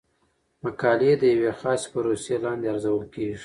مقالې د یوې خاصې پروسې لاندې ارزول کیږي.